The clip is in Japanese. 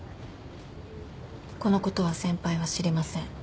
このことは先輩は知りません。